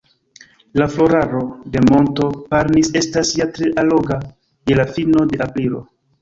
La floraro de monto Parnis estas ja tre alloga, je la fino de aprilo.